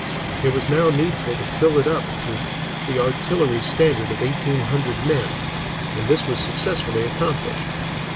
It was now needful to fill it up to the artillery standard of eighteen hundred men, and this was successfully accomplished.